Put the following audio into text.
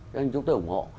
cho nên chúng tôi ủng hộ